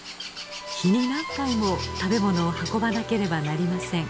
日に何回も食べ物を運ばなければなりません。